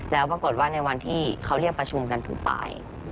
แล้วปรากฏว่าในวันที่เขาเรียกประชุมกันถึงปลาย